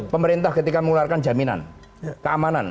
pemerintah ketika mengeluarkan jaminan keamanan